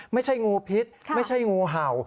ไม่ใช่งูพิษไม่ใช่งูเห่า